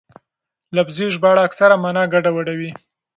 لفظي ژباړه اکثره مانا ګډوډوي.